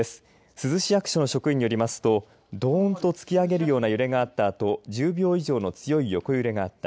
珠洲市役所の職員によりますとどーんと突き上げるような揺れがあったあと１０秒以上の強い横揺れがあった。